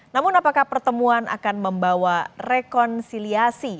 namun apakah pertemuan akan membawa rekonsiliasi